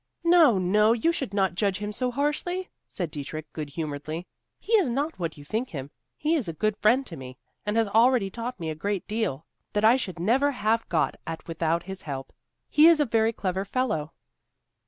"No, no, you should not judge him so harshly," said Dietrich, good humoredly. "He is not what you think him; he is a good friend to me, and has already taught me a great deal that I should never have got at without his help. He is a very clever fellow."